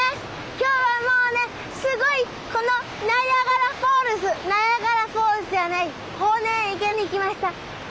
今日はもうねすごいこのナイアガラフォールズナイアガラフォールズじゃない豊稔池に来ました。